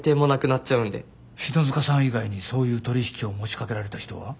篠塚さん以外にそういう取り引きを持ちかけられた人は？